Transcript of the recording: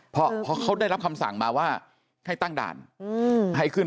เพราะเขาได้รับคำสั่งมาว่าให้ตั้งด่านให้ขึ้น